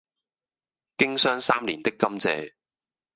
經霜三年的甘蔗，